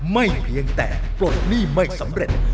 ไม่เพียงแต่ปลดหนี้ไม่สำเร็จ